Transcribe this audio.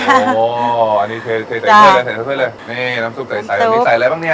อันนี้เธอใส่เฉยเลยนี่น้ำซุปใส่ใส่อะไรบ้างเนี่ย